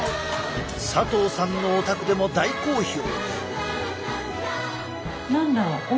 佐藤さんのお宅でも大好評！